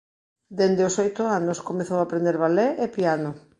Dende os oito anos comezou a aprender ballet e piano.